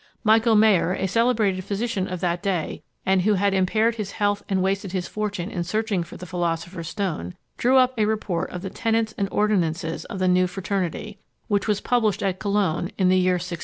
Michael Mayer, a celebrated physician of that day, and who had impaired his health and wasted his fortune in searching for the philosopher's stone, drew up a report of the tenets and ordinances of the new fraternity, which was published at Cologne, in the year 1615.